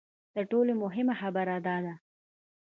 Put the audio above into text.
تر ټولو مهمه خبره دا ده.